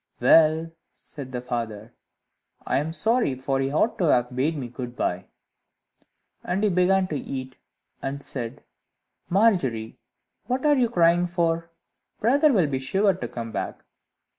"Well," said the father, "I am sorry; for he ought to have bade me good bye." After that he began to eat, and said, "Margery, what are you crying for? Brother will be sure to come back.